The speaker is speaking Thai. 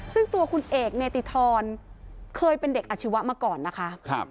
ซึ่งตัวคุณเอกเนติธรเคยเป็นเด็กอาชีวะมาก่อนนะคะ